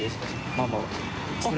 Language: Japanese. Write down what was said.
ママは。